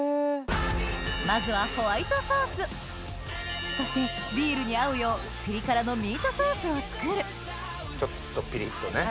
まずはそしてビールに合うようピリ辛のミートソースを作るちょっとピリっとね。